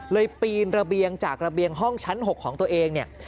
ปีนระเบียงจากระเบียงห้องชั้น๖ของตัวเองเนี่ย